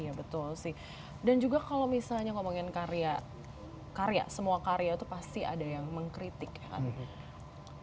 iya betul sih dan juga kalau misalnya ngomongin karya karya semua karya itu pasti ada yang mengkritik ya kan